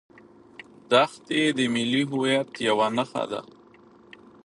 دښتې د ملي هویت یوه نښه ده.